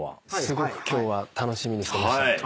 すごく今日は楽しみにしてました。